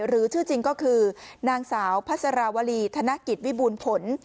หรือชื่อจริงก็คือนางสาวพระสราวรีธนกฤทธิ์วิบุญผล